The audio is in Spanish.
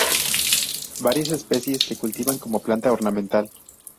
Varias especies se cultivan como planta ornamental.